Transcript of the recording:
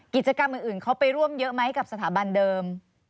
กิจกรรมอื่นเขาไปร่วมเยอะไหมกับสถาบันเดิม